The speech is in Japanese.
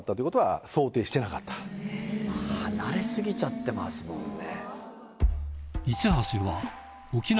離れ過ぎちゃってますもんね。